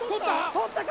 捕ったか？